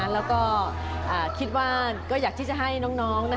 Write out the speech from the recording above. แล้วก็คิดว่าก็อยากที่จะให้น้อง